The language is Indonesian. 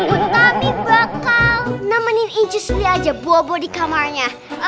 utami bakal nemenin inci suli aja bobo di kamarnya